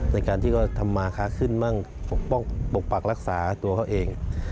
ในการที่เขาทำมาค้าขึ้นมั่งปกปักรักษาตัวเขาเอง